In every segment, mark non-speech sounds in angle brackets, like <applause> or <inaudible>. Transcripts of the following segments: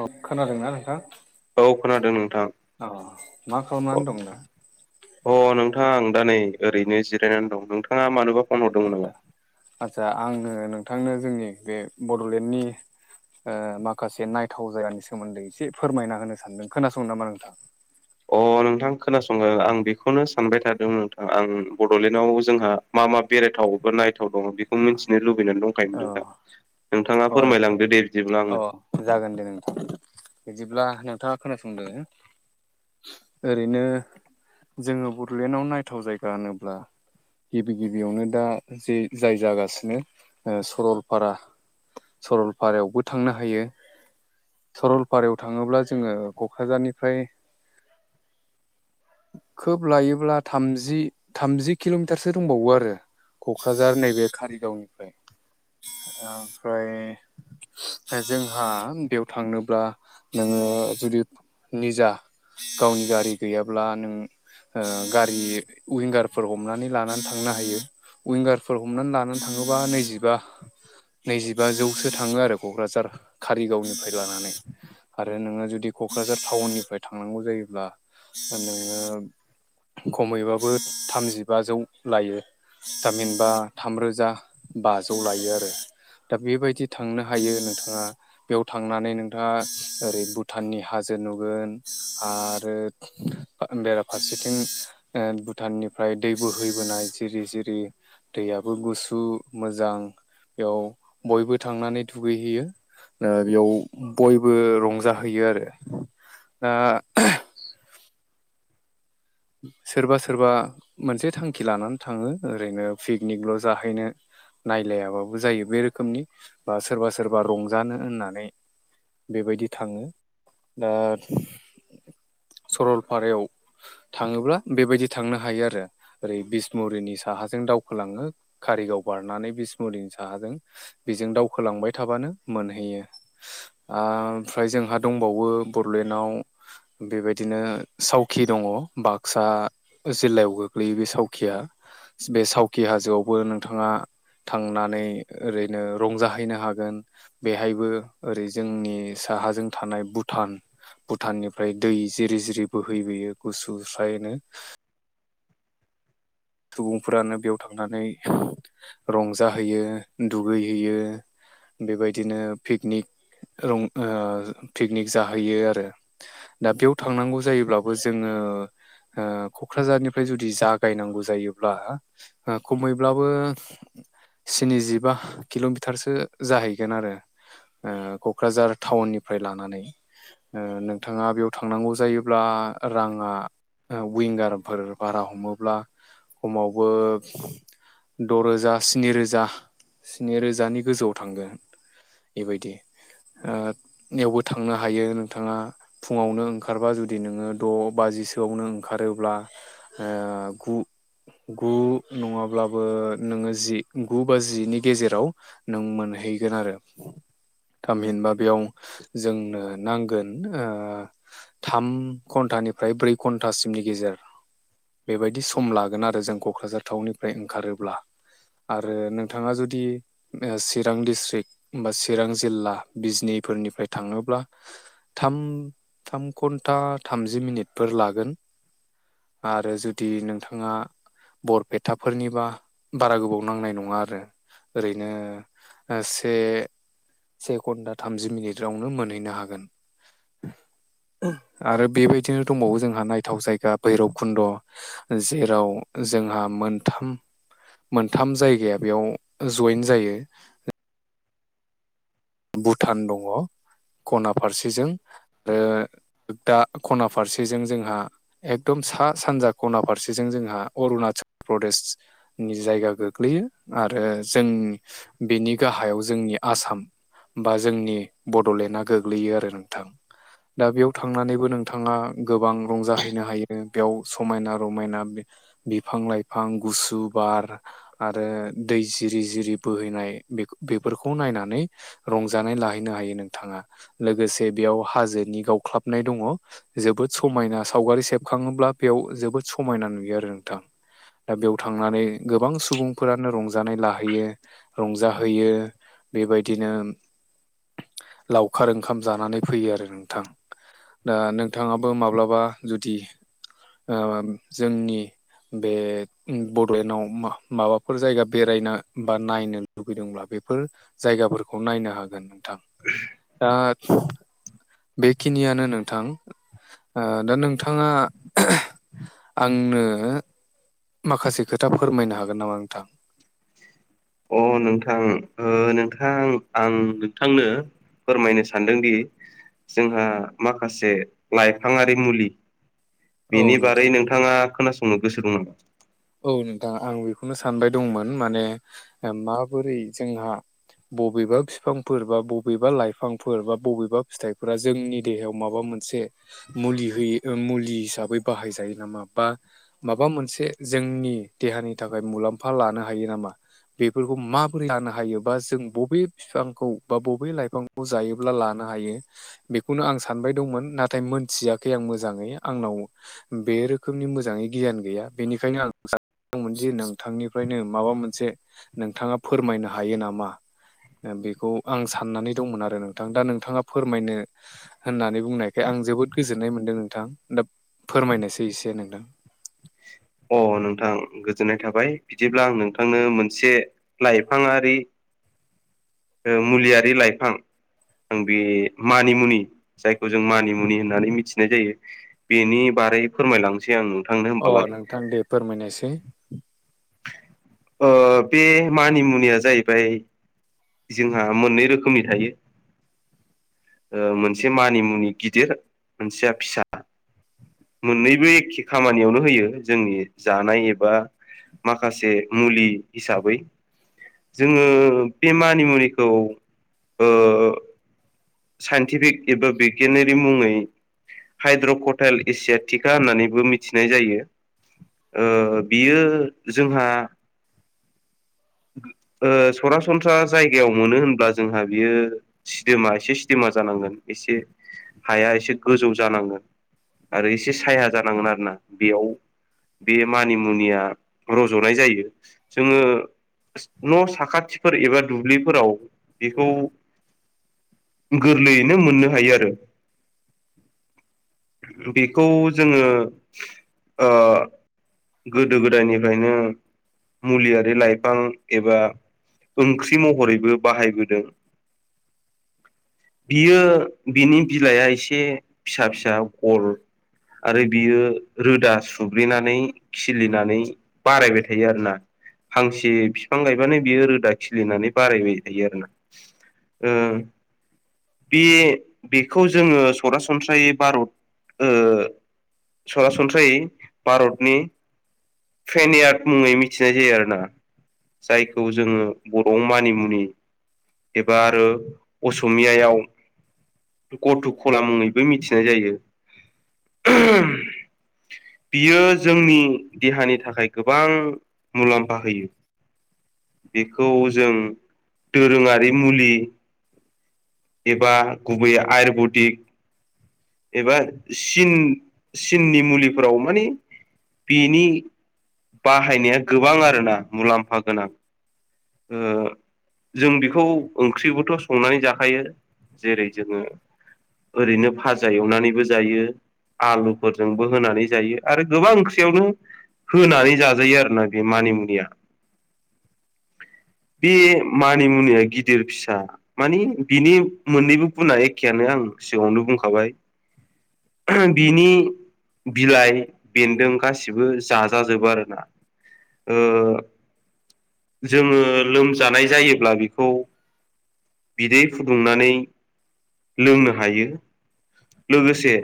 औ खोनादोंना नोंथां? औ खोनादों नोंथां अ मा खालामनानै दं दा? अ नोंथाङा आं दा नै ओरैनो जिरायनानै दं नोंथाङा मानोबा फन हरदोंमोन नामा आतसा आतसा आङो नोंथांनो जोंनि बे बड'लेण्डनि माखासे नायथाव जायगानि सोमोन्दै एसे फोरमायना होनो सानदों खोनासंनो नामा नोंथां? अ नोंथां खोनासंनो आं बेखौनो सानबाय थादों नोंथां आं बड'लेण्डआव जोंहा मा मा बेरायथावबो नायथाव दं बे बे खौ मिथिनो लुबैनानै दंखायोमोन दा नोंथाङा औ फोरमायलांदो दे बिदिब्लाब्ला अ आंनो। जागोन दे नोंथां बिदिब्ला नोंथाङा खोनासंदो। ओरैनो जोङो बड'लेण्डआव नायथाव जायगा होनोब्ला गिबि गिबियावनो दा जे जाय जागासिनो सरलपारा सरलपारायावबो थांनो हायो। सरलपारायाव थाङोब्ला जोङो क'क्राझारनिफ्राय <inaudible> खोब लायोब्ला थामजि थामजि किल'मिटारसो दंबावो आरो, क'क्राझार कक्राझार नैबे कारिगावनिफ्राय ओमफ्राय। जोंहा बेयाव थांनोब्ला नोङो जुदि निजा गावनि गारि गैयाब्ला नों गारि उयगारफोर हमनानै लानानै थांनो हायो उयगार फोर हमनानै लानानै थाङोबा नैजिबा नैजिबाजौसो थाङो आरो क'क्राझार कारिगावनिफ्राय लानानै आरो नोङो जुदि क'क्राझार टाउननिफ्राय थांनांगौ जायोब्ला नोङो खमैबाबो थामजिबाजौ लायो थामहिनबा बा थामरोजा बाजौ लायो आरो, दा बेबायदि थांनो हायो नोंथाङा बेयाव थांनानै नोंथाङा ओरै भुटाननि हाजो नुगोन आरो बेरा फारसेथिं भुटाननिफ्राय दै बोहैबोनाय जिरि जिरि दैयाबो गुसु मोजां बेयाव बयबो थांनानै दुगैहैयो। बेयाव बयबो रंजाहैयो आरो दा सोरबा सोरबा मोनसे थांखि लानानै थाङो ओरैनो पिकनिकल' जाहैनो। नायलायाबाबो जायो बे रोखोमनि बा सोरबा सोरबा रंजानो होननानै। बेबायदि थाङो दा सरलपारायाव थाङोब्ला बेबायदि थांनो हायो आरो। ओरै बिस्मुरिनि साहाजों दावखोलाङो कारिगाव बारनानै बिसमुरिनि साहाजों। बेजों दावखोलांबाय थाबानो मोनहैयो। ओमफ्राय जोंहा दंबावो बड'लेण्डआव बेबायदिनो सौवखि दङ। बाक्सा जिल्लायाव गोग्लैयो बे सौवखिया। बे सौवखि हाजोआवबो नोंथाङा। थांनानै ओरैनो रंजाहैनो हागोन। बेहायबो ओरै जोंनि साहाजों थानाय भुटान भुटाननिफ्राय दै जिरि जिरि बोहैबोयो गुसु स्रायनो। सुबुंफोरानो बेयाव थांनानै रंजाहैयो दुगैहैयो। बेबायदिनो पिकनिक पिकनिक जाहैयो आरो। दा बेयाव थांनांगौ जायोब्लाबो जोङो क'क्राझारनिफ्राय जुदि जागायनांगौ जायोब्ला खमैब्लाबो स्निजिबा किल'मिटारसो जाहैगोन आरो। क'क्राझार टाउननिफ्राय लानानै। नोंथाङा बेयाव थांनांगौ जायोब्ला राङा औ उइंगारफोर बारा हमोब्ला खमावबो द' रोजा स्नि रोजा स्नि रोजानि गोजौआव थांगोन। बेबायदि ओ बेयावबो थांनो हायो नोंथाङा। फुङावनो ओंखारबा जुदि नोङो द' बाजिसोआवनो ओंखारोब्ला ओ गु गु नङाब्लाबो नोङो जि गु बा जिनि गेजेराव नों मोनहैगोन आरो। थामहिनबा बेयाव जोंनो नांगोन ओ थाम घन्टानिफ्राय ब्रै घन्टासिमनि गेजेर बेबायदि सम लागोन आरो जों क'क्राझार टाउननिफ्राय ओंखारोब्ला आरो नोंथाङा जुदि चिरां डिस्ट्रि बा चिरां जिल्ला बिजनिफोरनिफ्राय थाङोब्ला थाम थाम घन्टा थामजि मिनिटफोर लागोन। आरो जुदि नोंथां ङा बरपेटाफोरनिबा बारा गोबाव नांनाय नङा आरो। ओरैनो ओ से से घन्टा थामजि मिनिटावनो मोनहैनो हागोन। आरो बेबायदिनो दंबावो जोंहा नायथाव जायगा भैरबखुन्द'। जेराव जोंहा मोनथाम मोनथाम जायगाया बेयाव जवेन जायो। भुटान दङ खना फारसेजों रो दा खना फारसेजों जोंहा एकदम सा सानजा खना फारसेजों जोंहा अरुणाचल प्रदेश नि जायगा गोग्लैयो आरो जों बेनि गाहायाव जोंनि आसाम बा जोंनि बड'लेण्डआ गोग्लैयो आरो नोंथां। दा बेयाव थांनानैबो नोंथाङा गोबां रंजाहैनो हायो बेयाव समायना रमायना बिफां लाइफां गुसु बार आरो दै जिरि जिरि बोहैनाय बेफोरखौ नायनानै रंजानाय लाहैनो हायो नोंथाङा लोगोसे बेयाव हाजोनि गावख्लाबनाय दङ। जोबोद समायना सावगारि सेबखाङोब्ला बेयाव जोबोद समायना नुयो आरो नोंथां। दा बेयाव थांनानै गोबां सुबुंफोरानो रंजानाय लाहैयो। रंजाहोयो बेबायदिनो। लावखार ओंखाम जानानै फैयो आरो नोंथां। दा नोंथाङाबो माब्लाबा जुदि ओम जोंनि बे बड'लेण्डआव मा-माबाफोर जायगा बेरायनो बा नायनो लुबैदोंब्ला बेफोर जायगाफोरखौ नायनो हागोन नोंथां दा बेखिनियानो नोंथां। ओ दा नोंथाङा आंनो माखासे खोथा फोरमायनो हागोन नामा नोंथां? अ नोंथां ओ नोंथां आं नोंथांनो फोरमायनो सानदोंदि जोंहा माखासे लाइफाङारि मुलि औ बेनि नोंथां बारै नोंथाङा खोनासंनो गोसो दं नामा? औ नोंथां आं बेखौनो सानबाय दंमोन माने ओ माबोरै जोंहा बबेबा फिफांफोर बा बबेबा लाइफांफोर बा बबेबा फिथाइफोरा जोंनि देहायाव माबा मोनसे मुलि होयो ओ मुलि हिसाबै बाहायजायो नामा बा माबा मोनसे जोंनि देहानि थाखाय मुलाम्फा लानो हायो नामा? बेफोरखौ माबोरै लानो हायोबा जों बबे फिफांखौ बा बबे लाइफांखौ जायोब्ला लानो हायो? बेखौनो आं सानबाय दंमोन नाथाय मोनथियाखै आं मोजाङै आंनाव बे रोखोमनि मोजाङै गियान गैया बेनिखायनो आं सा मोनदि नोंथांनिफ्रायनो माबा मोनसे नोंथाङा फोरमायनो हायो नामा? ओ बेखौ आं साननानै दंमोन आरो नोंथां दा नोंथाङा फोरमायनो होननानै बुंनायखाय आं जोबोद गोजोननाय मोनदों नोंथां दा फोरमायनायसाय एसे नोंथां। अ नोंथां गोजोननाय थाबाय बिदिब्ला आं नोंथांनो मोनसे लाइफाङारि ओ मुलियारि लाइफां आं बे मानिमुनि जायखौ जों मानिमुनि होननानै मिथिनाय जायो। बेनि बारै फोरमायलांसै आङो। अ नोंथां दे फोरमायनायसाय। ओ बे मानिमुनिया जाहैबाय जोंहा मोननै रोखोमनि थायो। ओ मोनसे मानिमुनि गिदिर मोनसेया फिसा। मोननैबो एखे खामानियावनो होयो जोंनि जानाय एबा माखासे मुलि हिसाबै। जोङो बे मानिमुनिखौ ओ साइन्टिफिक एबा बिगियानारि मुङै हाइद्रकटाइल एसियाटिका होननानैबो मिथिनाय जायो। ओ बियो जोंहा ओ सरासन्स्रा जायगायाव मोनो होनब्ला जोंहा बियो सिदोमा एसे सिदोमा जानांगोन एसे हाया एसे गोजौ जानांगोन। आरो एसे साया जानांगोन आरो ना बेयाव बे मानिमुनिया रज'नाय जायो जोङो न' साखाथिफोर एबा दुब्लिफोराव बिखौ गोरलैयैनो मोननो हायो आरो। बिखौ जोङो ओ गोदो गोदायनिफ्रायनो मुलियारि लाइ फां एबा ओंख्रि महरैबो बाहायबोदों। बियो बिनि बिलाइआ एसे फिसा फिसा गल आरो बियो रोदा सुब्रेनानै खिलिनानै बारायबाय थायो आरोना हांसि ए बिफां गायबानो बियो रोदा खिलिनानै बारायबाय थायो आरोना ओ बे-बेखौ जोङो सरासनस्रायै भारत ओ सरासन्स्रायै भारतनि फ्रेनियार्ड मुङै मिथिनाय जायो आरोना। जायखौ जोङो बर'आव मानिमुनि एबा आरो असमियाव गटुख'ला मुङैबो मिथिनाय जायो। बियो जोंनि देहानि थाखाय गोबां मुलाम्फा होयो। बेखौ जों दोरोङारि मुलि एबा गुबैयै आयुरबदिक एबा चिन चिननि मुलिफोराव माने बिनि बाहायनाया गोबां आरोना मुलाम्फा गोनां। ओ जों बेखौ ओंख्रिबोथ' संनानै जाखायो। जेरै जोङो ओरैनो फाजा एवनानैबो जायो। आलुफोरजोंबो होनानै जायो आरो गोबां ओंख्रियावनो होनानै जाजायो आरोना बे मानिमुनिया। बे मानिमुनिया गिदिर फिसा माने बिनि मोननैबो गुना एखेयानो आं सिगाङावनो बुंखाबाय बिनि बिलाइ बेन्दों गासिबो जाजाजोबो आरोना। ओ जोंङो लोमजानाय जायोब्ला बेखौ बिदै फु सुंनानै लोंनो हायो लोगोसे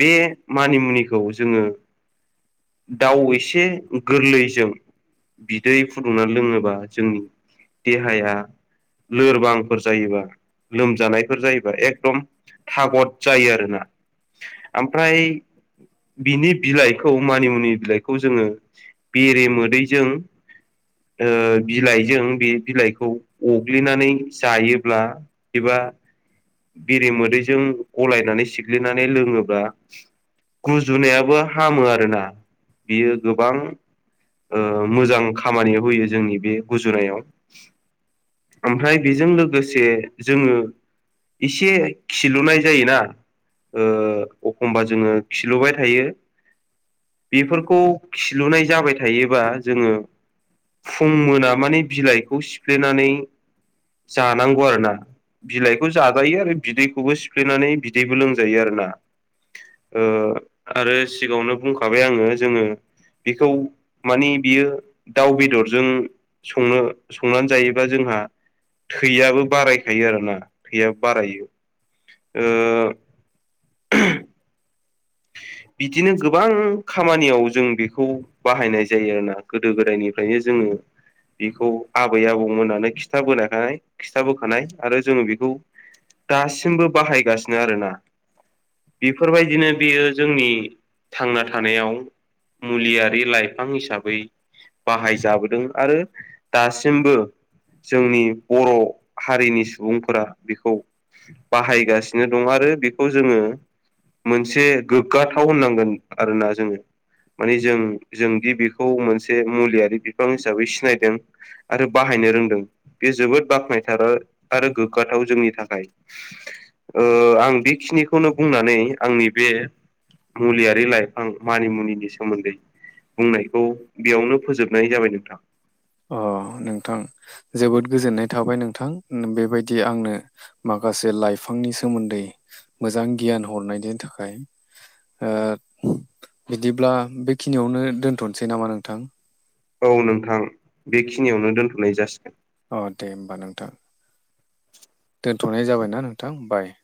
बे मानिमुनिखौ जोंङो दाउ एसे गोरलैजों बिदै फुदुंना लोङोबा जोंनि देहाया लोरबां फोर जायोबा लोमजानायफोर जायोबा एकदम थागद जायो आरोना ओमफ्राय बिनि बिलाइखौ मानिमुनि बिलाइखौ जोङो बेरे मोदैजों बिलाइजों बे बिलाइखौ अग्लिनानै जायोब्ला एबा बिरि मोदैजों गलायनानै सिग्लिनानै लोङोब्ला गुजुनायाबो हामो आरोना बियो गोबां मोजां खामानियाव होयो जोंनि बे गुजुरायाव ओमफ्राय बेजों लोगोसे जोंङो एसे खिलुनाय जायोना एखमबा जोंङो खिलुबाय थायो बेफोरखौ खिलुनाय जाबाय थायोबा जोंङो फुं मोना माने बिलाइखौ सिफ्लेनानै जानांगौ आरो ना बिलाइखौ जाजायो आरो बिदैखौबो सिफ्लेनानै बिदैबो लोंजायो आरो ना आरो सिगाङावनो बुंखाबाय आंङो जोंङो बेखौ माने बियो दाउ बेदरजों संनो संनानै जायोबा जोंहा थैयाबबो बारायखायो आरोना थैय बारायो ओ बिदिनो गोबां खामानियाव जों बेखौ बाहायनाय जायो आरोना गोदो गोदायनिफ्रायनो जोंङो बेखौ आबै आबौ मोननानै खिथाबोनायखानाय खिथाबोखानाय आरो जोंङो बेखौ दासिमबो बाहायगासिनो आरोना बेफोरबायदिनो बेयो जोंनि थांना थानायाव मुलियारि लाइफां हिसाबै बाहायजाबोदों आरो दासिमबो जोंनि बर' हारिनि सुबुंफोरा बेखौ बाहायगासिनो दं आरो बेखौ जोंङो मोनसे गोग्गाथाव होननांगोन आरोना जोंङो माने जों जोंदि बेखौ मोनसे मुलियारि बिफां हिसाबै सिनायदों आरो बाहायनो रोंदों बे जोबोद बाख्नायथाव आरो गोग्गाथाव जोंनि थाखाय आं बेखिनिखौनो बुंनानै आंनि बे मुलियारि लाइफां मानिमुनिनि सोमोन्दै बुंनायखौ बेयावनो फोजोबनाय जाबाय नोंथां। अ नोंथां जोबोद गोजोननाय थाबाय नोंथां बेबायदि आंनो माखासे लाइफांनि सोमोन्दै मोजां गियान हरनायनि थाखाय बिदिब्ला बेखिनियावनो दोनथ'नोसै नामा नोंथां औ नोंथां बेखिनियावनो दोनथ'नाय जासिगोन। अ दे होमबा नोंथां दोन्थ'नाय जाबायना नोंथां बाय